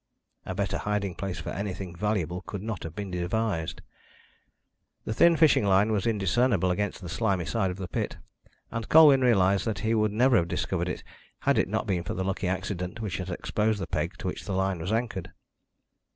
A better hiding place for anything valuable could not have been devised. The thin fishing line was indiscernible against the slimy side of the pit, and Colwyn realised that he would never have discovered it had it not been for the lucky accident which had exposed the peg to which the line was anchored.